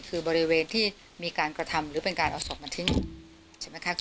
คือบริเวณที่มีการกระทำหรือเป็นการเอาศพมาทิ้งใช่ไหมคะ